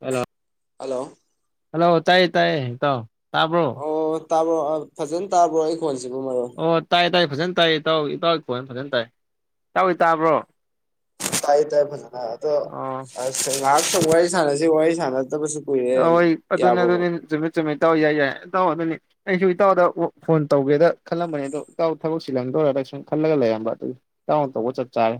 Hello hello hello ꯇꯥꯏ ꯇꯥꯏꯌꯦ ꯏꯇꯥꯎ ꯇꯥꯕ꯭ꯔꯣ ꯑꯣ ꯇꯥꯕ꯭ꯔꯣ ꯐꯖꯅ ꯇꯥꯕ꯭ꯔꯣ ꯑꯩ [unintelligible] ꯑꯣ ꯇꯥꯏꯌꯦ ꯇꯥꯏꯌꯦ ꯐꯖꯅ ꯇꯥꯏ ꯏꯇꯥꯎ ꯏꯇꯥꯎꯒꯤ ꯈꯣꯟ ꯐꯖꯅ ꯇꯥꯏ [unintelligible] ꯇꯥꯕ꯭ꯔꯣ ꯇꯥꯏ ꯇꯥꯏ ꯐꯖꯅ ꯑꯗꯣ ꯑꯣ [unintelligible] ꯉꯥꯏꯍꯥꯛꯇꯪ ꯋꯥꯔꯤ ꯁꯅꯁꯦ ꯋꯥꯔꯤ ꯁꯅꯥ ꯍꯣꯏ ꯑꯗꯨꯅꯤ ꯑꯗꯨꯅꯤ ꯆꯨꯝꯃꯤꯠ ꯆꯨꯝꯃꯤ ꯏꯇꯥꯎ ꯌꯥꯏ ꯌꯥꯏ ꯏꯇꯥꯎ ꯑꯗꯨꯅꯤ ꯑꯩꯁꯨ ꯏꯇꯥꯎꯗ ꯐꯣꯟ ꯇꯧꯒꯦꯗ ꯈꯜꯂꯝꯕꯅꯤ ꯑꯗꯣ ꯏꯇꯥꯎ ꯊꯕꯛꯁꯤ ꯂꯪꯗꯣꯏꯔꯒ ꯁꯨꯝ ꯈꯜꯂꯒ ꯂꯩꯔꯝꯕ ꯑꯗꯨꯒꯤ ꯏꯇꯥꯎꯅ ꯇꯧꯕ ꯆꯞ ꯆꯥꯔꯦ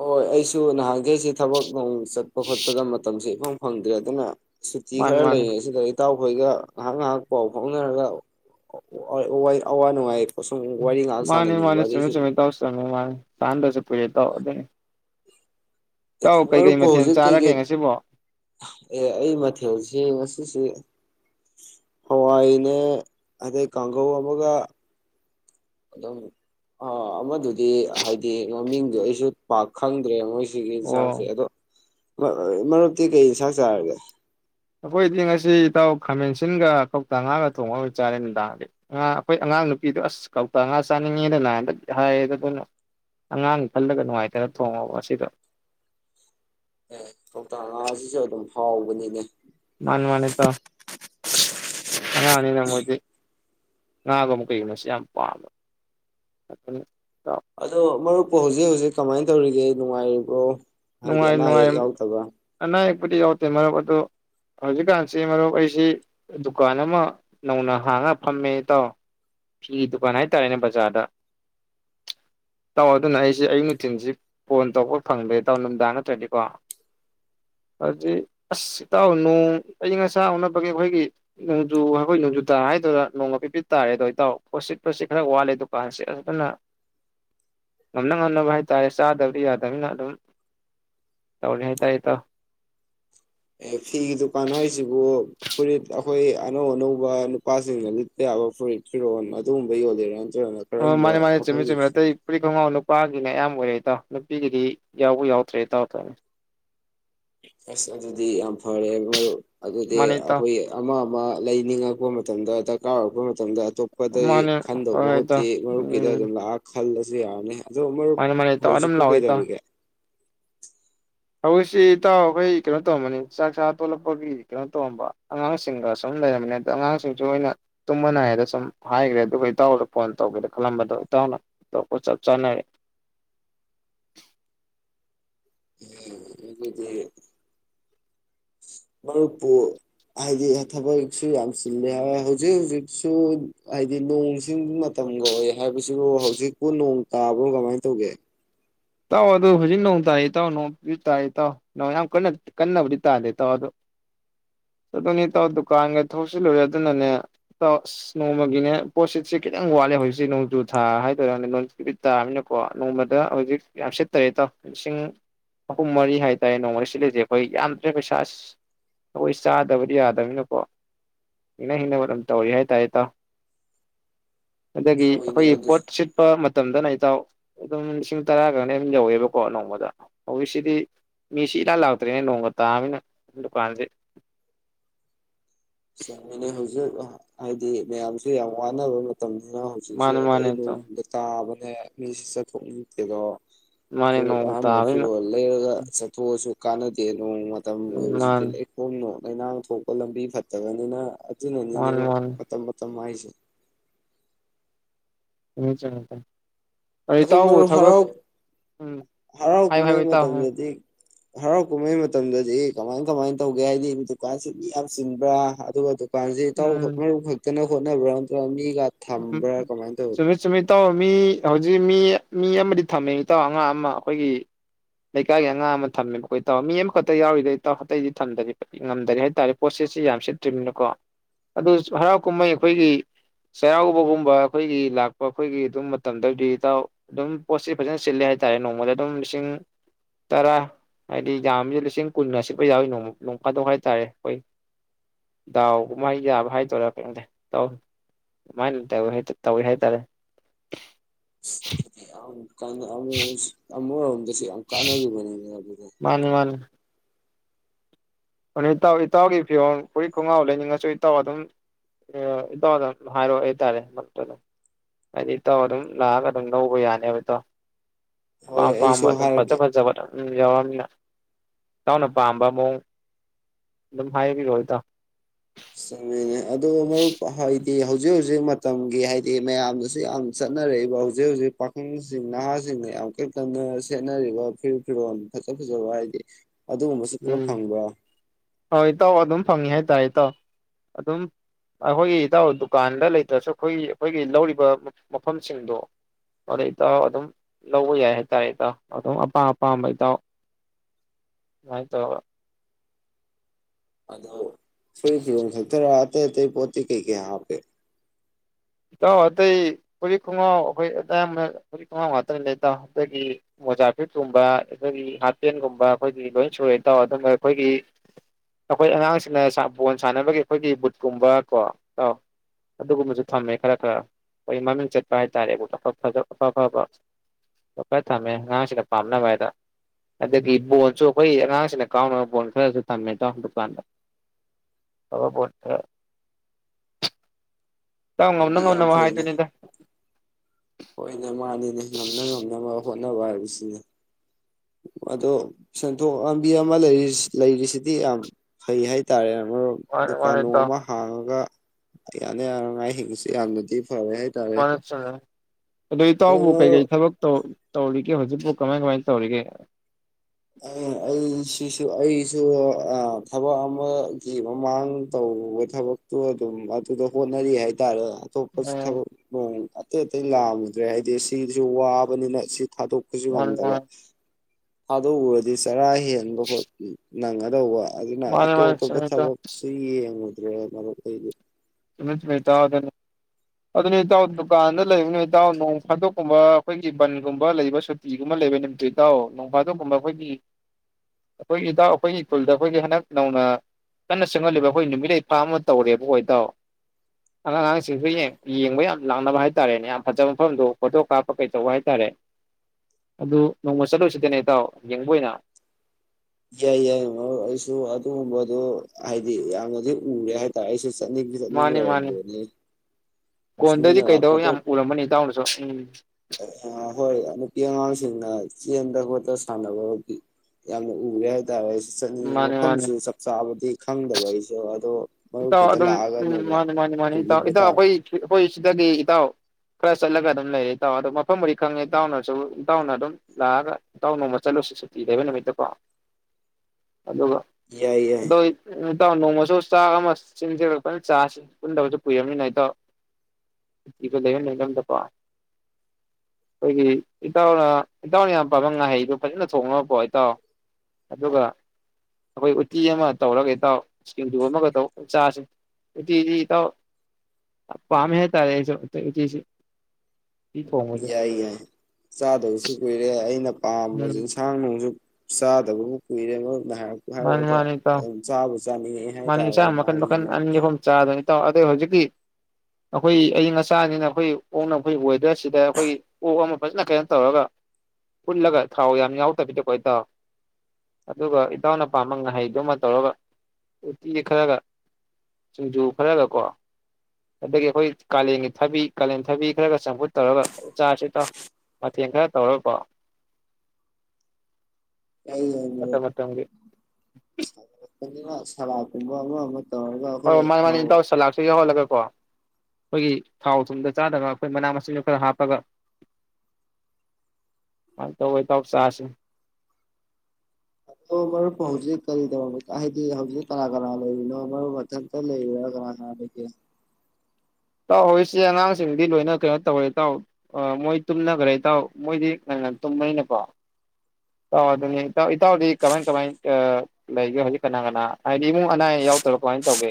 ꯍꯣꯏ ꯑꯩꯁꯨ ꯅꯍꯥꯟꯈ ꯑꯩꯁꯤꯦ ꯊꯕꯛ ꯅꯣꯡ ꯆꯠꯄ ꯈꯣꯠꯄꯗ ꯃꯇꯝꯁꯦ ꯏ ꯍꯪꯗꯦ ꯑꯗꯨꯅ ꯁꯨꯇꯤ ꯃꯥꯅꯤ ꯈꯔ ꯃꯥꯅꯤ ꯂꯩꯌꯦ ꯁꯤꯗ ꯏꯇꯥꯎ ꯑꯩꯈꯣꯏꯒ ꯉꯥꯏꯍꯥꯛ ꯉꯥꯏꯍꯥꯛ ꯄꯥꯎ ꯐꯥꯎꯅꯔꯒ ꯑꯋꯥ ꯅꯨꯡꯉꯥꯏ ꯁꯨꯝ ꯋꯥꯔꯤ ꯉꯥꯏꯍꯥꯛ ꯃꯥꯅꯦ ꯁꯥꯟꯅꯅꯤꯡꯕ ꯃꯥꯅꯤ ꯑꯗꯩ ꯆꯃꯤ ꯁꯨꯝ ꯆꯃꯤꯠꯇꯁꯅꯤ ꯃꯥꯅꯤ ꯆꯥꯟꯗ ꯆ ꯄꯨꯔꯦ ꯇ ꯑꯣꯗꯅꯦ ꯃꯔꯨꯞꯄꯨ ꯍꯧꯖꯤꯛ ꯆꯥꯔꯒꯦ ꯀꯩꯀꯩ ꯉꯁꯤꯕꯣ ꯑꯦ ꯑꯩ ꯃꯊꯦꯜꯁꯤ ꯉꯁꯤꯁꯦ ꯍꯋꯥꯏꯅꯦ ꯑꯗꯩ ꯀꯥꯡꯍꯧ ꯑꯃꯒ ꯑꯗꯨꯝ ꯑ ꯑꯃꯗꯨꯗꯤ ꯍꯥꯏꯗꯤ ꯃꯃꯤꯡꯗꯨꯣ ꯑꯩꯁꯨ ꯄꯥꯛ ꯈꯪꯗ꯭ꯔꯦ ꯃꯣꯏꯁꯨ ꯁꯤꯒꯤ ꯑꯣ ꯆꯁꯦ ꯑꯗꯣ ꯃꯔꯨꯞꯇꯤ ꯀꯩ ꯏꯟꯁꯥꯡ ꯆꯥꯔꯒꯦ ꯑꯩꯈꯣꯏꯗꯤ ꯉꯁꯤ ꯏꯇꯥꯎ ꯈꯥꯃꯦꯟꯁꯤꯟꯒ ꯀꯧꯇꯥ ꯉꯥꯒ ꯊꯣꯡꯉꯕ ꯆꯥꯔꯦ ꯅꯨꯡꯗꯥꯡꯗꯤ ꯑꯩꯈꯣꯏ ꯑꯉꯥꯡ ꯅꯨꯄꯤꯗꯣ ꯑꯁ ꯀꯧꯇꯥ ꯉꯥ ꯆꯥꯅꯤꯡꯉꯦꯅꯅ ꯍꯟꯗꯛ ꯍꯥꯏꯌꯦꯗ ꯑꯗꯨꯅ ꯑꯉꯥꯡ ꯈꯜꯂꯒ ꯅꯨꯡꯉꯥꯏꯇꯅ ꯊꯣꯡꯉꯕ ꯉ ꯑꯁꯤꯗꯣ ꯑꯦ ꯊꯧꯇꯥꯛ ꯉꯥꯁꯤꯁꯨ ꯑꯗꯨꯝ ꯐꯥꯎꯕꯅꯤꯅꯦ ꯃꯥꯅ ꯃꯥꯅꯦꯇ ꯑ ꯑꯅꯤꯗ ꯃꯣꯏꯗꯤ ꯉꯥꯕ ꯑꯃꯨꯛ ꯀꯩꯒꯤꯨꯝꯣ ꯃꯁꯤ ꯌꯥꯝ ꯄꯥꯃꯦ ꯑꯗꯣ ꯃꯔꯨꯞꯄ ꯍꯧꯖꯤꯛ ꯍꯧꯖꯤꯛ ꯀꯃꯥꯏꯅ ꯀꯩ ꯇꯧꯔꯤꯒꯦ ꯅꯨꯡꯉꯥꯏꯔꯤꯕꯣ ꯅꯅꯨꯡꯉꯥꯏ ꯅꯅꯨꯡꯉꯥꯏ ꯑꯅ ꯄꯗꯤ ꯌꯥꯎꯗꯦ ꯃꯔꯨꯞ ꯑꯗꯣ ꯍꯧꯖꯤꯛꯀꯥꯟꯁꯤ ꯃꯔꯨꯞ ꯑꯩꯁꯤ ꯗꯨꯀꯥꯟ ꯑꯃ ꯅꯧꯅ ꯍꯥꯡꯉ ꯐꯝꯃꯦ ꯇꯥꯎ ꯐꯤ ꯗꯨꯀꯥꯟ ꯍꯥꯏꯇꯥꯔꯦꯅꯦ ꯕꯖꯥꯔꯗ ꯇꯥꯎ ꯑꯗꯨꯅ ꯑꯩꯁꯤꯦ ꯑꯌꯨꯛ ꯅꯨꯡꯊꯤꯟꯜꯁꯤ ꯐꯣꯟ ꯇꯧꯕꯔꯛꯄ ꯐꯪꯗꯦ ꯏꯇꯥꯎ ꯅꯨꯡꯗꯥꯡ ꯅꯠꯇ꯭ꯔꯗꯤꯀꯣ ꯑꯗꯨꯗꯤ ꯑꯁ ꯏꯇꯥꯎ ꯅꯣꯡ ꯑꯌꯪ ꯑꯁꯥ ꯎꯅꯕꯒꯤ ꯑꯩꯈꯣꯏꯒꯤ ꯅꯣꯡꯖꯨ ꯑꯩꯈꯣꯏ ꯅꯣꯡꯖꯨꯇꯥꯥ ꯍꯥꯏꯗꯨꯣꯏꯔ ꯅꯣꯡꯃ ꯄꯤꯄꯤ ꯇꯥꯔꯦ ꯑꯗꯣ ꯏꯇꯥꯎ ꯄꯣꯠ ꯁꯤꯠꯄꯣꯠꯁꯤ ꯈꯔ ꯋꯥꯠꯂꯦ ꯗꯨꯀꯥꯟꯁꯦ ꯑꯗꯨꯖꯅ ꯉꯝꯅ ꯉꯝꯅꯕ ꯍꯥꯏꯇꯥꯔꯦ ꯆꯥꯗꯕꯗꯤ ꯌꯥꯗꯕꯅꯤꯅ ꯑꯗꯨꯝ ꯇꯧ ꯌꯥ ꯇ ꯌꯦꯇ ꯑꯦ ꯐꯤꯒꯤ ꯗꯨꯀꯥꯟ ꯍꯥꯏꯔꯤꯁꯤꯕꯨ ꯐꯨꯔꯤꯠ ꯑꯩꯈꯣꯏ ꯑꯅꯧ ꯑꯅꯧꯕ ꯅꯨꯄꯥꯁꯤꯡꯅ ꯂꯤꯠꯄ ꯌꯥꯕ ꯐꯨꯔꯤꯠ ꯐꯤꯔꯣꯜ ꯑꯗꯨꯒꯨꯝꯕ ꯌꯣꯜꯂꯤꯔ ꯑꯣ ꯃꯥꯅꯦ ꯃꯥꯅꯦ ꯆꯃꯤ ꯆꯃꯤ ꯏ ꯄꯨ ꯈꯣꯡꯉ ꯅꯨꯄꯥꯒꯤꯅ ꯑꯌꯥꯝ ꯑꯣꯏꯔꯛꯏ ꯏꯗꯥꯎ ꯅꯨꯄꯤꯒꯤꯗꯤ ꯌꯥꯎꯕ ꯌꯥꯎꯗ꯭ꯔꯦ ꯇꯥꯎ ꯇꯧꯅꯤ ꯑꯁ ꯑꯗꯨꯗꯤ ꯌꯥꯝ ꯐꯔꯦ ꯃꯔ ꯑꯗꯨꯗꯤ ꯃꯥꯅꯦ ꯏꯇꯥꯎ ꯑꯩꯈꯣꯏ ꯑꯃ ꯑꯃ ꯂꯩ ꯅꯤꯡꯉꯛꯄ ꯃꯇꯝꯗ ꯗꯔꯀꯥꯔ ꯑꯣꯏꯔꯛꯄ ꯃꯇꯝꯗ ꯑꯇꯣꯞꯄꯗꯒꯤꯩ ꯃꯥꯅꯦ ꯈꯟꯗꯕ ꯍꯣꯏ ꯍꯣꯏ ꯏꯇꯥꯎ ꯃꯍꯨꯠꯇꯤ ꯃꯔꯨꯞꯀꯤꯗ ꯎꯝ ꯑꯗꯨꯝ ꯂꯥꯛꯑ ꯈꯜꯂꯁꯨ ꯌꯥꯔꯅꯤ ꯑꯗꯣ ꯃꯔ ꯃꯥꯅꯦ ꯃꯥꯅꯦ ꯏꯇꯥꯎ ꯑꯗꯨꯝ ꯍꯧꯖꯤꯛꯄꯨ ꯂꯥꯛꯑꯣ ꯏꯇꯥꯎ ꯀꯩꯗꯧꯔꯤꯒꯦ ꯍꯧꯖꯤꯛꯁꯤ ꯏꯇꯥꯎ ꯑꯩꯈꯣꯏ ꯀꯩꯅꯣ ꯇꯧꯔꯝꯃꯅꯤ ꯆꯥꯛ ꯆꯥ ꯇꯣꯂꯛꯄꯒꯤ ꯀꯩꯅꯣ ꯇꯧꯔꯝꯕ ꯑꯉꯥꯡꯁꯤꯡꯒ ꯁꯨꯝ ꯂꯩꯔꯝꯝꯕꯅꯤ ꯑꯗꯣ ꯑꯉꯥꯡꯁꯤꯡꯁꯨ ꯑꯣꯏꯅ ꯇꯨꯝꯕ ꯅꯥꯏꯗ ꯁꯨꯝ ꯍꯥꯏꯈ꯭ꯔꯦ ꯑꯗꯨꯒ ꯏꯇꯥꯎꯗ ꯐꯣꯟ ꯇꯧꯒꯦꯗ ꯈꯜꯂꯝꯕꯗꯣ ꯏꯇꯥꯎꯅꯇꯣꯞ ꯆꯞ ꯆꯥꯅꯔꯦ ꯑꯗꯨꯗꯤ ꯃꯔꯨꯞꯄꯨ ꯍꯥꯏꯗꯤ ꯊꯕꯛꯁꯨ ꯌꯥꯝ ꯆꯤꯜꯂꯤꯦ ꯍꯥꯏ ꯍꯧꯖꯤꯛ ꯍꯧꯖꯤꯛꯁꯨ ꯍꯥꯏꯗꯤ ꯅꯣꯡ ꯆꯤꯡ ꯃꯇꯝꯒ ꯑꯣꯏ ꯍꯥꯏꯕꯁꯤꯕꯨ ꯍꯧꯖꯤꯛꯄꯨ ꯅꯣꯡ ꯇꯥꯕ꯭ꯔꯣ ꯀꯃꯥꯏꯅ ꯇꯧꯒꯦ ꯇꯥꯎ ꯑꯗꯨ ꯍꯧꯖꯤꯛ ꯅꯣꯡ ꯇꯥꯔꯤ ꯏꯇꯥꯎ ꯅꯣꯡ ꯄꯤ ꯇꯥ ꯏ ꯇꯥꯎ ꯅ ꯌꯥꯝ ꯀꯟꯅꯕꯗꯤ ꯇꯥꯗꯦ ꯇꯥꯎ ꯑꯗꯨ ꯑꯗꯨꯅꯦ ꯇꯥꯎ ꯗꯨꯀꯥꯟꯒ ꯊꯣꯛꯆꯜꯂꯨꯔꯦ ꯑꯗꯨꯅꯅꯦ ꯇꯥꯎ ꯑꯁ ꯅꯣꯡꯃꯒꯤꯅꯦ ꯄꯣꯠꯁꯤꯠꯁꯦ ꯈꯤꯇꯪ ꯋꯥꯠꯂꯦ ꯍꯧꯖꯤꯛꯁꯦ ꯅꯣꯡꯖꯨ ꯊꯥ ꯍꯥꯏꯗꯣꯏꯔꯥꯅꯦ ꯅꯣꯡꯖꯨ ꯄꯤꯠ ꯇꯥꯅꯤꯅꯀꯣ ꯅꯣꯡꯃꯗ ꯍꯧꯖꯤꯛ ꯌꯥꯝ ꯁꯤꯠꯇ꯭ꯔꯦ ꯏꯇꯥꯎ ꯂꯤꯁꯤꯡ ꯑꯍꯨꯝ ꯃꯔꯤ ꯍꯥꯏꯇꯥꯔꯦ ꯅꯣꯡꯃꯗ ꯁꯤꯠꯂꯁꯦ ꯑꯩꯈꯣꯏ ꯌꯥꯝꯗ꯭ꯔꯦ ꯄꯩꯁꯥ ꯑꯩꯈꯣꯏ ꯆꯥꯗꯕꯗꯤ ꯌꯥꯗꯅꯤꯅꯀꯣ ꯍꯪꯅ ꯍꯤꯡꯅꯕ ꯑꯗꯨꯝ ꯇꯧꯋ ꯍꯥꯏꯇꯥꯔꯦ ꯏꯇꯥꯎ ꯑꯗꯒꯤ ꯍꯣꯏꯅꯦ ꯑꯩꯈꯣꯏꯒꯤ ꯑꯗꯨꯁꯨ ꯄꯣꯠ ꯁꯤꯠꯄ ꯃꯇꯝꯗꯅ ꯏꯇꯥꯎ ꯑꯗꯨꯝ ꯂꯤꯁꯤꯡ ꯇꯔꯥꯒ ꯏꯝ ꯌꯧꯋꯦꯕꯀꯣ ꯅꯣꯡꯃꯗ ꯍꯧꯖꯤꯛꯁꯤꯗꯤ ꯃꯤꯁꯤ ꯏꯔꯥꯛ ꯂꯥꯛꯇ꯭ꯔꯦꯅꯦ ꯅꯣꯡꯒ ꯇꯥꯕꯅꯤꯅ ꯗꯨꯀꯥꯟꯁꯦ ꯁꯦ ꯍꯥꯏꯗꯤ ꯍꯧꯖꯤꯛ ꯍꯥꯏꯗꯤ ꯃꯌꯥꯝꯖꯦ ꯌꯥꯝ ꯋꯥꯅꯕ ꯃꯥꯅꯦ ꯃꯥꯅꯦ ꯏꯇꯥꯎ ꯃꯇꯝꯅꯤ [unintelligible] [unintelligible] ꯃꯥꯅꯦ ꯐꯨꯔꯤꯠ ꯅꯣꯡ ꯇꯥꯕꯅꯤꯅ ꯑꯍꯥꯟꯕꯁꯤꯕꯨ ꯂꯩꯔꯒ ꯎꯝ ꯆꯠꯊꯣꯛꯑꯁꯤ ꯀꯥꯟꯅꯗꯦ ꯅꯣꯡꯃꯒꯤ ꯃꯇꯝꯖꯤꯁꯤꯗꯤ ꯃꯥꯅꯤ ꯂꯥꯏꯔꯤꯛꯐꯥꯎ ꯅꯣꯠ ꯂꯩꯅꯥꯡ ꯊꯣꯛꯄ ꯂꯝꯕꯤ ꯐꯠ [unintelligible] ꯑꯗꯨ ꯅꯅꯤꯅꯦ ꯃꯥꯅꯤ ꯕ ꯃꯥꯅꯤ ꯃꯇꯝ ꯃꯇꯝ ꯍꯥꯏꯁꯤ [inaudible] [unintelligible] ꯑꯗꯣ ꯏꯇꯥꯎꯕꯨ ꯃꯔꯨꯞ ꯊꯕꯛ ꯍꯔꯨꯞ ꯎꯝ ꯍꯔꯥꯎ ꯍꯥꯏꯌꯨ ꯍꯥꯏꯌꯨ ꯀꯨꯝꯍꯩ ꯏꯇꯥꯎ ꯃꯇꯝ ꯂꯩꯇꯦ ꯍꯔꯥꯎ ꯀꯨꯝꯍꯩ ꯃꯇꯝꯗꯗꯤ ꯀꯃꯥꯏ ꯀꯃꯥꯏ ꯇꯧꯒꯦ ꯍꯥꯏꯗꯤ ꯗꯨꯀꯥꯟꯁꯤ ꯃꯤ ꯌꯥꯝ ꯆꯤꯟꯕ꯭ꯔꯥ ꯑꯗꯨꯒ ꯎꯝ ꯑꯗꯨꯝ [unintelligible] ꯍꯣꯠꯅꯕ꯭ꯔꯥ ꯅꯠꯇ꯭ꯔꯥꯒ ꯃꯤ ꯑ ꯊꯝꯕ꯭ꯔꯥ ꯀꯃꯥꯏꯅ ꯇꯧꯏ ꯆꯨꯝꯃꯤ ꯆꯨꯝꯃꯤ ꯏꯇꯥꯎ ꯃꯤ ꯍꯧꯖꯤꯛ ꯃꯤ ꯃꯤ ꯑꯃꯗꯤ ꯊꯝꯃꯦ ꯏꯇꯥꯎ ꯑꯉꯥꯡ ꯑꯃ ꯑꯩꯈꯣꯏꯒꯤ ꯂꯩꯀꯥꯏꯒꯤ ꯑꯉꯥꯡ ꯑꯃ ꯊꯝꯃꯦꯕ ꯏꯇꯥꯎ ꯃꯤ ꯑꯃꯈꯛꯇ ꯌꯥꯎꯔꯤꯗꯣ ꯏꯇꯥꯎ ꯑꯇꯩꯗꯤ ꯊꯝꯗꯔꯤ ꯉꯝꯗꯔꯤ ꯍꯥꯏꯇꯥꯥꯔꯦ ꯄꯣꯠꯁꯤꯠꯁꯤ ꯌꯥꯝ ꯁꯤꯠꯇ꯭ꯔꯤꯃꯤꯅꯀꯣ ꯑꯗꯨ ꯍꯔꯥꯎ ꯀꯨꯝꯍꯩ ꯑꯩꯈꯣꯏꯒꯤ ꯆꯩꯔꯥꯎꯕꯒꯨꯝꯕ ꯑꯩꯈꯣꯏꯒꯤ ꯂꯥꯛꯄ ꯑꯩꯈꯣꯏꯒꯤ ꯑꯗꯨꯝ ꯃꯇꯝꯗꯕꯨꯗꯤ ꯏꯇꯥꯎ ꯑꯗꯨꯝ ꯄꯣꯠꯁꯤ ꯐꯖꯅ ꯁꯤꯜꯂꯦ ꯍꯥꯏꯇꯔꯦ ꯅꯣꯡꯃꯗ ꯑꯗꯨꯝ ꯂꯤꯁꯤꯡ ꯇꯔꯥ ꯍꯥꯏꯗꯤ ꯌꯥꯝꯕ ꯂꯤꯁꯤꯡ ꯀꯨꯟꯒ ꯁꯤꯠꯄ ꯌꯥꯎꯏ ꯅꯣꯡꯃ ꯅꯣꯡꯐꯗꯣꯛ ꯍꯥꯏꯇꯥꯔꯦ ꯑꯩꯈꯣꯏ ꯗꯥꯎ ꯒꯨꯝꯕ ꯍꯥꯏ ꯌꯥꯕ ꯍꯥꯏꯗꯣꯏꯔꯥ ꯈꯪꯗꯦ ꯇꯥꯎꯏ ꯗꯨꯃꯥꯏꯅ ꯇꯧ ꯍꯦꯇ ꯇꯧꯏ ꯍꯥꯏꯇꯔꯦ [unintelligible] [unintelligible] ꯑꯃꯥꯎ ꯑꯁ ꯌꯥꯝ ꯀꯥꯛꯅꯔꯤꯕꯅꯤ ꯑꯗꯨꯗꯤ ꯃꯥꯅꯤ ꯑꯣꯅꯦ ꯏꯇꯥꯎ ꯏꯇꯥꯎꯒꯤ ꯐꯤꯔꯣꯜ ꯐꯨꯔꯤꯠ ꯈꯣꯡꯒꯥꯎ ꯂꯩꯅꯤꯡꯉꯁꯨ ꯏꯇꯥꯎ ꯑꯗꯨꯝ ꯑ ꯏꯇꯥꯎ ꯑꯗꯨꯝ ꯍꯥꯏꯔꯣ ꯍꯥꯏꯇꯥꯔꯦ ꯃꯔꯛꯇꯗ ꯍꯥꯏꯗꯤ ꯏꯇꯥꯎ ꯑꯗꯨꯝ ꯂꯥꯛꯑꯒ ꯑꯗꯨꯝ ꯂꯧꯕ ꯌꯥꯅꯤꯕ ꯏꯇꯥꯎ ꯍꯣꯏ ꯑꯄꯥꯝ ꯑꯄꯥꯝꯕ ꯑꯩꯁꯨ ꯑꯗ ꯐꯖ ꯍꯥꯏꯔꯛꯀꯦ ꯐꯖ ꯑꯝ ꯌꯥꯎꯔꯥꯃꯤꯅ ꯏꯇꯥꯎꯅ ꯄꯥꯝꯕ ꯃꯌꯣꯡ ꯗꯨꯝ ꯍꯥꯏꯕꯤꯔꯛꯑꯣ ꯏꯇꯥꯎ [unintelligible] ꯑꯗꯨꯗꯣ ꯃꯔꯨꯞ ꯍꯥꯏꯠ ꯍꯧꯖꯤꯛ ꯍꯧꯖꯤꯛ ꯃꯇꯝꯒꯤ ꯍꯥꯏꯗꯤ ꯃꯌꯥꯝꯗꯁꯨ ꯌꯥꯝ ꯆꯠꯅꯔꯛꯏꯕ ꯍꯧꯖꯤꯛ ꯍꯧꯖꯤꯛ ꯄꯥꯈꯪꯁꯤꯡ ꯅꯍꯥꯁꯤꯡꯅ ꯌꯥꯝ ꯀꯟ ꯀꯟꯅ ꯁꯦꯠꯅꯔꯤꯕ ꯐꯨꯔꯤꯠ ꯐꯤꯔꯣꯜ ꯐꯖ ꯐꯖꯕ ꯍꯥꯏꯗꯤ ꯑꯗꯨꯒꯨꯝꯕꯁꯨ ꯑꯨꯝ ꯄꯨꯂꯞ ꯐꯪꯕ꯭ꯔꯥ ꯑꯥ ꯏꯇꯥꯎ ꯑꯗꯨꯝ ꯐꯪꯉꯤ ꯍꯥꯏ ꯇꯥꯏ ꯏꯇꯥꯎ ꯑꯗꯨꯝ ꯑꯩꯈꯣꯏꯒꯤ ꯏꯇꯥꯎ ꯗꯨꯀꯥꯟꯗ ꯂꯩꯇ꯭ꯔꯁꯨ ꯑꯩꯈꯣꯏꯒꯤ ꯑꯩꯈꯣꯏꯒꯤ ꯂꯧꯔꯤꯕ ꯄꯣꯠꯐꯝꯁꯤꯡꯗꯣ ꯑꯗꯨꯗ ꯏꯇꯥꯎ ꯑꯗꯨꯝ ꯂꯧꯕ ꯌꯥꯏ ꯍꯥꯏꯇꯥꯔꯦ ꯏꯇꯥꯎ ꯑꯗꯨꯝ ꯑꯄꯥꯝ ꯑꯄꯥꯝꯕ ꯏꯇꯥꯎ ꯃꯥꯏꯟ ꯇꯧꯔꯥꯒ ꯑꯗꯣ ꯐꯨꯔꯤꯠ ꯐꯤꯔꯣꯜ ꯈꯛꯇꯔꯥ ꯑꯇꯩ ꯑꯇꯩ ꯄꯣꯠꯇꯤ ꯀꯩ ꯀꯩ ꯍꯥꯞꯀꯦ ꯏꯇꯥꯎ ꯑꯇꯩ ꯐꯨꯔꯤꯠ ꯈꯣꯡꯒꯥꯎ ꯑꯩꯈꯣꯏ ꯑꯌꯥꯝꯕꯅ ꯐꯨꯔꯤꯠ ꯈꯣꯡꯒꯥꯎ ꯉꯥꯛꯇꯅꯤꯗꯥ ꯑꯇꯩꯗꯤ ꯃꯣꯖꯐꯨꯔꯤꯠꯀꯨꯝꯕ ꯑꯈꯣꯏꯒꯤ ꯍꯥꯄꯦꯟꯒꯨꯝꯕ ꯑꯩꯈꯣꯏꯒꯤ ꯂꯣꯏ ꯁꯨꯔꯦ ꯏꯇꯥꯎ ꯑꯗꯨꯒ ꯑꯩꯈꯣꯏꯒꯤ ꯑꯩꯈꯣꯏ ꯑꯉꯥꯡꯁꯤꯡꯅ ꯕꯣꯜ ꯁꯥꯟꯅꯕꯒꯤ ꯑꯩꯈꯣꯏꯒꯤ ꯕꯨꯠꯀꯨꯝꯕ ꯀꯣ ꯏꯇꯥꯎ ꯑꯗꯨꯒꯨꯝꯕꯁꯨ ꯊꯝꯃꯦ ꯈꯔꯥ ꯈꯔꯥ ꯑꯩꯈꯣꯏ ꯃꯃꯤꯡ ꯆꯠꯄ ꯍꯥꯏꯇꯥꯔꯦ ꯑꯖ ꯑꯐ ꯑꯐꯕ ꯈꯔ ꯊꯝꯃꯦ ꯑꯉꯥꯡꯁꯤꯡꯅ ꯄꯥꯝꯅꯕ ꯍꯥꯏꯗꯅ ꯑꯗꯒꯤ ꯕꯣꯜꯁꯨ ꯑꯩꯈꯣꯏ ꯑꯉꯥꯡꯁꯤꯡꯅ ꯀꯥꯎꯅꯕ ꯕꯣꯜ ꯈꯔꯥꯁꯨ ꯊꯝꯃꯦ ꯏꯇꯥꯎ ꯗꯨꯀꯥꯟꯗ ꯑꯐꯕ ꯕꯣꯜ ꯈꯔ ꯏꯇꯥꯎ ꯉꯝꯅ ꯑꯗꯨꯗꯤ ꯌꯥꯝ ꯉꯝꯅꯕ ꯐꯩꯅꯦ ꯍꯥꯏꯗꯨꯅꯤꯗ ꯍꯣꯏꯅꯦ ꯃꯥꯅꯤꯅꯦ ꯉꯝꯅ ꯉꯝꯅꯕꯅꯕ ꯍꯅꯅꯕꯁꯤꯅꯦ ꯑꯗꯣ ꯁꯦꯟꯊꯣꯛ ꯂꯝꯕꯤ ꯑꯃ ꯂꯩꯔꯤꯁꯤꯗꯤ ꯌꯥꯝ ꯐꯩ ꯍꯥꯏꯇꯥꯔꯦ ꯃꯥꯅꯤ ꯗꯨꯀꯥꯟ ꯃꯥꯅꯤ ꯅꯨꯡ ꯏꯇꯥꯎ ꯑꯃ ꯍꯥꯡꯉꯒ ꯌꯥꯅꯦ ꯑꯉꯥꯏ ꯍꯒꯨꯁꯤ ꯌꯥꯝ ꯅꯗꯤ ꯃꯥ ꯑꯗꯨꯗ ꯑꯗꯣ ꯏꯇꯥꯎꯕꯨ ꯃꯔꯨꯞ ꯀꯩꯀꯩ ꯊꯕ ꯇꯧ ꯇꯧꯔꯤꯒꯦ ꯍꯧꯖꯤꯛꯄꯥꯎ ꯀꯃꯥꯏ ꯀꯃꯥꯏꯅ ꯇꯧꯔꯤꯒꯦ ꯑꯩꯁꯤꯁꯨ ꯑꯩꯁꯨ ꯊꯕꯛ ꯑꯃꯒꯤ ꯃꯃꯥꯡ ꯇꯧꯕ ꯊꯕꯛꯇꯣ ꯑꯗꯨꯝ ꯑꯗꯨꯗ ꯍꯣꯠꯅꯔꯤ ꯍꯥꯏꯇꯥꯔꯦ ꯁ ꯎꯝ ꯑꯇꯩ ꯑꯇꯩ ꯂꯥꯛꯔꯨꯗ꯭ꯔꯦ ꯍꯥꯏꯗꯤ ꯁꯤꯁꯨ ꯋꯥꯕꯅꯤꯅ ꯊꯥꯗꯣꯛꯄꯁꯨ ꯃꯥꯅꯤ ꯉꯝꯗꯕ ꯃꯥꯅꯤ ꯑꯗ ꯎꯗꯤ ꯁꯔꯥꯏ ꯍꯕꯣ ꯎ ꯅꯪꯒꯗꯧꯕ ꯑꯗꯨꯅ ꯃꯥꯅꯤ ꯑꯇꯣꯞ ꯃꯥꯅꯤ ꯑꯇꯣꯞꯄ ꯆꯨꯝꯃꯤ ꯏꯇꯥꯎ ꯊꯕꯛ ꯁꯨꯏꯌꯦꯉ ꯃꯔ ꯀꯩ ꯃꯤꯃꯤ ꯏꯇꯥꯎ ꯑꯗꯨ ꯑꯗꯨꯅꯦ ꯏꯇꯥꯎ ꯗꯨꯀꯥꯟꯗ ꯂꯩꯕ ꯅꯨꯃꯤ ꯏꯇꯥꯎ ꯅꯣꯡ ꯐꯥꯗꯣꯛꯀꯨꯝꯕ ꯑꯩꯈꯣꯏꯒꯤ ꯕꯟꯒꯨꯝꯕ ꯂꯩꯕ ꯁꯨꯇꯤꯒꯨꯝꯕ ꯂꯩꯕ ꯅꯨꯃꯤꯠꯇꯨ ꯏꯇꯥꯎ ꯅꯣꯡ ꯐꯥꯗꯣꯛꯀꯨꯝꯕ ꯑꯩꯈꯣꯏꯒꯤ ꯑꯩꯈꯣꯏꯒꯤ ꯏꯇꯥꯎ ꯑꯩꯈꯣꯏꯒꯤ ꯈꯨ꯭ꯨꯜꯗ ꯑꯩꯈꯣꯏꯒꯤ ꯍꯟꯗꯛ ꯅꯧꯅ ꯀꯟꯅ ꯆꯪꯍꯜꯂꯤꯕ ꯑꯩꯈꯣꯏ ꯅꯨꯃꯤꯠ ꯂꯩ ꯐꯥ ꯑꯃ ꯇꯧꯔꯦꯕꯀꯣ ꯏꯇꯥꯎ ꯑꯉꯥꯡ ꯑꯉꯥꯡꯁꯤꯡꯁꯨ ꯌꯦꯡꯕ ꯌꯥꯝ ꯂꯥꯡꯅꯕ ꯍꯥꯏ ꯇꯥꯔꯦꯅꯦ ꯌꯥꯝ ꯐꯖꯕ ꯃꯐꯝꯗꯣ ꯐꯣꯇꯣ ꯀꯥꯞꯄ ꯀꯩ ꯇꯧꯕ ꯍꯥꯏ ꯇꯥꯔꯦ ꯑꯗꯨ ꯅꯣꯡꯃ ꯆꯠꯂꯨꯁꯤꯗꯅꯦ ꯏꯇꯥꯎ ꯌꯦꯡꯕ ꯑꯣꯏꯅ ꯌꯥꯏ ꯌꯥꯏ ꯃ ꯑꯩꯁꯨ ꯑꯗꯨꯒꯨꯝꯕꯗꯨ ꯍꯥꯏꯗꯤ ꯌꯥꯝꯅꯗꯤ ꯎꯔꯦ ꯍꯥꯏꯇꯥꯔꯦ ꯑꯩꯁꯨ ꯃꯥꯅꯤ ꯃꯥꯅꯤ ꯅꯤꯡꯉꯥꯏ ꯀꯣꯟꯗꯗꯤ ꯁꯨꯃꯤꯅꯒ ꯀꯩꯗꯧ ꯐꯣꯇꯣꯛ ꯌꯥꯝ ꯎꯔꯝꯃꯅꯤ ꯏꯇꯥꯎꯅꯁꯨ ꯎꯝ ꯍꯣꯏ ꯅꯨꯄꯤ ꯑꯉꯥꯡꯁꯤꯡꯅ ꯁꯥꯟꯅꯕ ꯌꯥꯝ ꯎ ꯍꯥꯏ ꯆꯅꯤꯡꯉ ꯃꯥꯅꯤ ꯃꯥꯅꯤ ꯃꯐꯝꯁꯨ ꯆꯞ ꯆꯥꯕꯗꯤ ꯈꯪꯗꯕ ꯑꯩꯁꯨꯦ ꯑꯗꯣ ꯏꯇꯥꯎ ꯃꯔꯨꯞꯀꯤꯗ ꯑꯗꯨꯝ ꯂꯥꯛꯑꯒ ꯎꯝ ꯅꯣꯡꯃ ꯃꯥꯅꯤ ꯃꯥꯅꯤ ꯃꯥꯅꯤ ꯏ ꯏꯇ ꯄꯨꯕꯤꯕ ꯑꯩꯣꯏ ꯇꯥꯔꯦ ꯑꯩꯈꯣꯏ ꯁꯤꯗꯒꯤ ꯏꯇꯥꯎ ꯈꯔ ꯆꯠꯂꯒ ꯑꯗꯨꯝ ꯂꯩꯔꯦ ꯏꯇꯥꯎ ꯑꯗꯣ ꯃꯐꯝ ꯃꯔꯤ ꯈꯪꯉꯦ ꯏꯇꯥꯎꯅꯁꯨ ꯏꯇꯥꯎꯅ ꯑꯗꯨꯝ ꯂꯥꯛꯑꯒ ꯏꯇꯥꯎ ꯅꯣꯡꯃ ꯆꯠꯂꯨꯁꯤ ꯁꯨꯇꯤ ꯂꯩꯕ ꯅꯨꯃꯤꯠꯇ ꯀꯣ ꯑꯗꯨꯒ ꯌꯥꯏ ꯌꯥꯏ ꯑꯗꯣ ꯅꯣꯡꯃꯁꯣ ꯆꯥꯛ ꯑꯃ ꯆꯤꯡꯁꯤꯔꯒ ꯐꯖꯅ ꯆꯥꯁꯤ ꯄꯨꯟꯗꯕꯁꯨ ꯀꯨꯏꯔꯕꯅꯤꯅ ꯏꯇꯥꯎ ꯎꯇꯤꯗ ꯂꯩꯍ ꯂꯩꯗꯗꯀꯣ ꯑꯩꯈꯣꯏꯒꯤ ꯏꯇꯥꯎꯅ ꯏꯇꯥꯎꯅ ꯌꯥꯝ ꯄꯥꯕ ꯉꯥꯍꯩꯗꯣ ꯐꯖꯅ ꯊꯣꯡꯉꯕꯀꯣ ꯏꯇꯥꯎ ꯑꯗꯨꯒ ꯑꯩꯈꯣꯏ ꯎꯇꯤ ꯑꯃ ꯇꯧꯔꯒ ꯏꯇꯥꯎ ꯑꯗꯨ ꯑꯃꯒ ꯇꯧ ꯆꯥꯁꯦ ꯎꯇꯤꯁꯤ ꯏꯇꯥꯎ ꯄꯥꯝꯃꯦ ꯍꯥꯏꯇꯥꯔꯦ ꯑꯩꯁꯨ ꯎꯇꯤꯁꯤ ꯎꯇꯤ ꯊꯣꯡꯕꯁꯦ ꯌꯥꯏ ꯌꯥꯏ ꯆꯥꯗꯕꯁꯨ ꯀꯨꯏꯔꯦ ꯑꯩꯅ ꯎꯝ ꯄꯥꯝꯕꯁ ꯏꯟꯁꯥꯡ ꯅꯨꯡꯁꯨ ꯁꯥꯗꯕ ꯀꯏꯔꯦ ꯃꯥꯅꯤ ꯍꯥꯏꯗ ꯃꯥꯅꯤ ꯏꯇꯥꯎ ꯆꯥꯕꯁꯤ ꯃꯥꯅꯤ ꯆꯥ ꯃꯈꯟ ꯃꯈꯟ ꯑꯅꯤꯐꯝ ꯆꯥꯗꯣꯏꯅꯤ ꯏꯇꯥꯎ ꯑꯗꯩ ꯍꯧꯖꯤꯛꯀꯤ ꯑꯩꯈꯣꯏ ꯑꯏꯪ ꯑꯁꯥꯅꯤꯅ ꯑꯩꯈꯣꯏ ꯑꯣꯛꯅ ꯑꯩꯈꯣꯏ ꯋꯦꯗꯔꯁꯤꯗ ꯑꯩꯈꯣꯏꯒꯤ ꯑꯣꯛ ꯑꯃ ꯐꯖꯅ ꯀꯩꯅꯣ ꯇꯧꯔꯒ ꯍꯨꯠꯂꯒ ꯊꯥꯎ ꯌꯥꯝ ꯌꯥꯎꯗꯕꯤꯗꯀꯣ ꯏꯇꯥꯎ ꯑꯗꯨꯒ ꯏꯇꯥꯎꯅ ꯄꯥꯝꯕ ꯉꯥꯍꯩꯗꯨꯃ ꯇꯧꯔꯒ ꯎꯇꯤ ꯈꯔꯒ ꯁꯤꯡꯖꯨ ꯈꯔꯒꯀꯣ ꯑꯗꯨꯗꯒꯤ ꯑꯩꯈꯣꯏ ꯀꯥꯂꯦꯟꯒꯤ ꯊꯕꯤ ꯀꯥꯂꯦꯟ ꯊꯕꯤ ꯈꯔꯒ ꯆꯝꯐꯨꯠ ꯇꯧꯔꯒ ꯆꯥꯁꯤ ꯇ ꯃꯊꯦꯜ ꯈꯔ ꯇꯧꯔꯒꯀꯣ [unintelligible] ꯃꯇꯝ ꯃꯇꯝꯒꯤ [unintelligible] ꯁꯂꯥꯛ ꯀꯨꯝꯕ ꯑꯃ ꯑꯃ ꯇꯧꯔꯒ ꯍꯣꯏ ꯑꯩꯈꯣꯏ ꯃꯥꯅꯤ ꯃꯥꯥꯅꯤ ꯊꯥꯎ ꯢꯇꯥꯎ ꯁꯂꯥꯛꯁꯨ ꯌꯧꯍꯜꯂꯒ ꯀꯣ ꯑꯈꯣꯏꯒꯤ ꯊꯥꯎ ꯊꯨꯝꯗ ꯆꯥꯗꯕ ꯑꯈꯣꯏ ꯃꯅꯥ ꯃꯁꯤꯡꯖꯨ ꯈꯔ ꯍꯥꯞꯄꯒ [unintelligible] ꯇꯧꯋꯦ ꯏꯇꯥꯎ ꯆꯥꯥꯁꯤ꯫ ꯑ ꯃꯔꯨꯞ ꯍꯧꯖꯤꯛ ꯀꯔꯤ ꯗꯧꯔꯕ ꯍꯥꯏꯗꯤ ꯍꯧꯖꯤꯛ ꯀꯅꯥ ꯀꯅꯥ ꯂꯩꯔꯤꯅꯣ ꯃꯔꯨꯞ ꯃꯊꯟꯇ ꯂꯩꯔꯤꯔꯥ ꯀꯅꯥ ꯀꯅꯥ ꯂꯩꯒꯦ? ꯏꯇꯥꯎ ꯍꯧꯖꯤꯛꯁꯦ ꯑꯉꯥꯡꯁꯤꯡꯗꯤ ꯂꯣꯏꯅ ꯀꯩꯅꯣ ꯇꯧꯔꯦ ꯏꯇꯥꯎ ꯑ ꯃꯣꯏ ꯇꯨꯝꯅꯒ꯭ꯔꯦ ꯏꯇꯥꯎ ꯃꯣꯏꯗꯤ ꯉꯟꯅ ꯇꯨꯝꯕꯅꯤꯅꯀꯣ ꯏꯇꯥꯎ ꯑꯗꯨꯅꯤ ꯏꯇꯥꯎ ꯏꯇꯥꯎꯗꯤ ꯀꯃꯥꯏꯟ ꯀꯃꯥꯏꯟ ꯂꯩꯒꯦ ꯍꯧꯖꯤꯛ ꯀꯅꯥ ꯀꯅꯥ ꯍꯥꯏꯗꯤ ꯏꯃꯨꯡ ꯑꯅꯥ ꯑꯌꯦꯛ ꯌꯥꯎꯗ꯭ꯔꯣ ꯀꯃꯥꯏꯟ ꯇꯧꯒꯦ?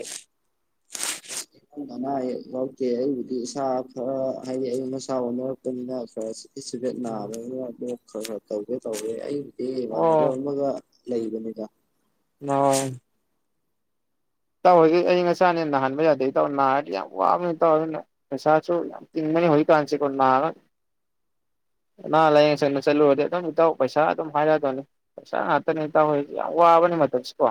ꯑꯅꯥ ꯑꯌꯦꯛ ꯌꯥꯎꯗꯦ ꯑꯩꯕꯨꯗꯤ ꯏꯁꯥ ꯈꯔ ꯍꯥꯏꯗꯤ ꯑꯌꯤꯡ ꯃꯁꯥ ꯑꯣꯟꯅꯔꯛꯄꯅꯤꯅ ꯈꯔ [unintelligible] ꯆꯤꯕꯦꯠ ꯅꯥꯕꯅꯤꯅ [unintelligible] ꯍꯣꯏ ꯍꯣꯏ ꯇꯧꯒꯦ ꯇꯧꯒꯦ ꯑꯩ ꯑꯦ ꯢꯃꯦꯟꯅꯕ ꯑꯃꯒ ꯂꯩꯕꯅꯤꯗ꯫ ꯅꯥꯢꯟ꯫ ꯏꯇꯥꯎ ꯍꯣꯢꯒꯤ ꯑꯏꯪ ꯑꯁꯥꯅ ꯍꯦꯟ ꯅꯥꯍꯟꯕ ꯌꯥꯗꯦ ꯏꯇꯥꯎ ꯅꯥꯔꯗꯤ ꯌꯥꯝ ꯋꯥꯕꯅꯤ ꯏꯇꯥꯎ ꯑꯗꯨꯅ ꯄꯩꯁꯥꯁꯨ ꯌꯥꯝ ꯇꯤꯡꯕꯅꯤ ꯍꯨꯖꯤꯛꯀꯥꯟꯁꯦꯀꯣ ꯅꯥꯔ ꯑꯅꯥ ꯂꯥꯏꯌꯦꯡꯁꯪꯗ ꯆꯠꯂꯨꯔꯗꯤ ꯑꯗꯨꯝ ꯏꯇꯥꯎ ꯄꯩꯁꯥ ꯑꯗꯨꯝ ꯍꯥꯏꯔꯛꯑꯗꯝꯅꯤ ꯄꯩꯁꯥ ꯉꯥꯛꯇꯅꯤ ꯏꯇꯥꯎ ꯍꯖꯤꯛꯇꯤ ꯌꯥꯝ ꯋꯥꯕꯅꯤ ꯃꯇꯝꯁꯤꯀꯣ꯫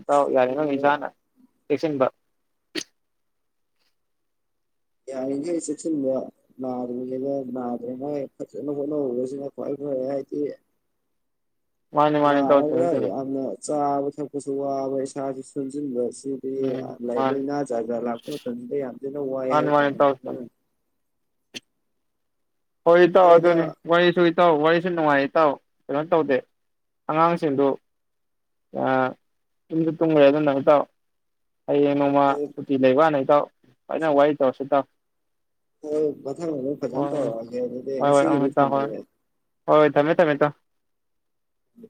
ꯏꯇꯥꯎ ꯌꯥꯔꯤꯉꯩ ꯏꯁꯥꯅ ꯆꯦꯛꯁꯤꯟꯕ꯫ ꯌꯥꯔꯤꯈꯩ ꯆꯦꯛꯁꯤꯟꯕ ꯅꯥꯗ꯭ꯔꯤꯉꯩꯗ ꯅꯥꯗ꯭ꯔꯉꯥꯏ ꯐꯖꯅ ꯍꯣꯠꯅꯍꯧꯕꯁꯤꯅ ꯈ꯭ꯋꯥꯏ ꯐꯔꯦ ꯍꯥꯏꯗꯤ ꯃꯥꯅꯤ ꯃꯥꯅꯤ ꯏꯇꯥꯎ ꯅꯥꯔꯒ ꯆꯨꯝꯃꯤ ꯆꯨꯝꯃꯤ ꯌꯥꯝꯅ ꯆꯥꯕ ꯊꯛꯄꯁꯨ ꯋꯥꯕ ꯏꯁꯥꯁꯨ ꯁꯣꯟꯖꯤꯟꯕ ꯁꯤꯗꯤ ꯎꯝ ꯃꯥꯅꯤ ꯂꯥꯏꯅꯥ ꯖꯥꯠꯖꯥꯠ ꯂꯥꯛꯄ ꯃꯇꯝꯗ ꯌꯥꯝ ꯊꯤꯅ ꯋꯥꯏ ꯃꯥꯅꯤ ꯍꯥꯏ ꯃꯥꯅꯤ ꯇꯥꯔꯦ ꯏꯇꯥꯎ ꯆꯨꯝꯃꯤ ꯍꯣꯏ ꯏꯇꯥꯎ ꯍꯣꯏꯗ ꯑꯗꯨꯅꯤ ꯋꯥꯔꯤꯁꯨ ꯏꯇꯥꯎ ꯋꯥꯔꯤꯁꯨ ꯅꯨꯡꯉꯥꯏꯔꯤ ꯏꯇꯎ ꯀꯩꯅꯣ ꯇꯧꯗꯦ ꯑꯉꯥꯡꯁꯤꯡꯗꯨ ꯇꯨꯝꯖꯨ ꯇꯨꯝꯈ꯭ꯔꯦ ꯑꯗꯨꯝꯅ ꯏꯇꯥꯎ ꯍꯌꯦꯡ ꯅꯣꯡꯃ ꯁꯨꯇꯤ ꯂꯩꯕꯀꯥꯟꯗ ꯏꯇꯥꯎ ꯐꯖꯅ ꯋꯥꯔꯤ ꯇꯧꯔꯁꯤ ꯇꯥꯎ ꯃꯊꯪ ꯑꯃꯨꯛ ꯐꯖꯅ ꯇꯧꯔꯛꯑ ꯍꯣꯏ ꯍꯣꯏ ꯎꯝ ꯏꯇꯥꯎ ꯍꯣꯏ ꯍꯣꯏ ꯊꯃꯦ ꯊꯝꯃꯦ ꯏꯇꯥꯎ ꯎꯝ